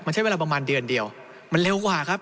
มันใช้เวลาประมาณเดือนเดียวมันเร็วกว่าครับ